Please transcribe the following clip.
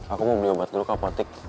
aku mau beli obat dulu kak potik